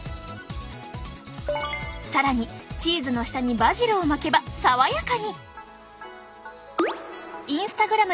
更にチーズの下にバジルを巻けば爽やかに。